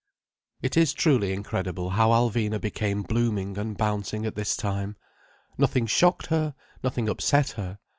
It is truly incredible how Alvina became blooming and bouncing at this time. Nothing shocked her, nothing upset her.